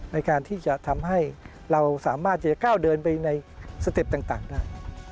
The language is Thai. ในการที่จะทำให้เราสามารถที่จะก้าวเดินไปในสเต็ปต่างได้